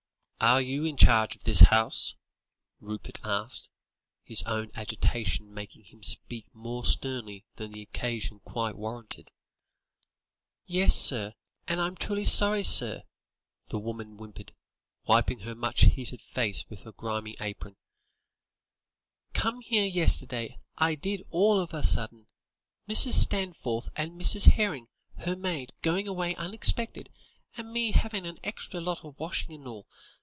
"Are you in charge of this house?" Rupert asked, his own agitation making him speak more sternly than the occasion quite warranted. "Yes, sir; and I'm truly sorry, sir," the woman whimpered, wiping her much heated face with a grimy apron; "come here yesterday, I did, all of a sudden, Mrs. Stanforth and Miss Herring, her maid, going away unexpected, and me havin' a extra lot of washin' and all.